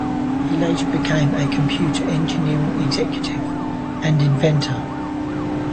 He later became a computer engineering executive and inventor.